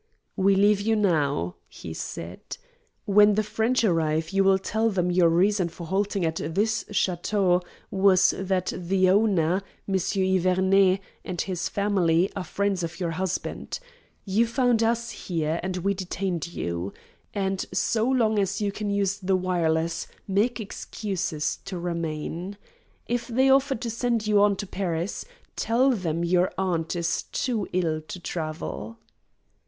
"We leave you now," he said. "When the French arrive you will tell them your reason for halting at this chateau was that the owner, Monsieur Iverney, and his family are friends of your husband. You found us here, and we detained you. And so long as you can use the wireless, make excuses to remain. If they offer to send you on to Paris, tell them your aunt is too ill to travel."